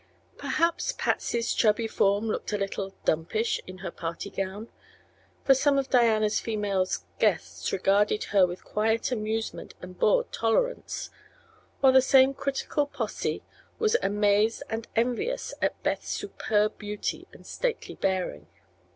Perhaps Patsy's chubby form looked a little "dumpish" in her party gown, for some of Diana's female guests regarded her with quiet amusement and bored tolerance, while the same critical posse was amazed and envious at Beth's superb beauty and stately bearing.